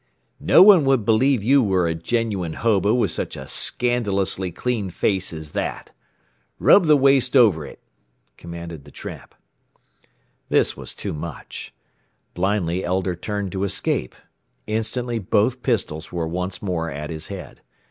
"No one would believe you were a genuine hobo with such a scandalously clean face as that. Rub the waste over it," commanded the tramp. This was too much. Blindly Elder turned to escape. Instantly both pistols were once more at his head.